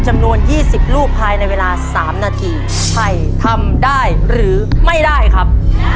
จำนวนยี่สิบลูกภายในเวลาสามนาทีใครทำได้หรือไม่ได้ครับ